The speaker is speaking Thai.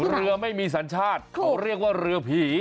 เรือไม่มีสัญชาติเขาเรียกว่าเรือผี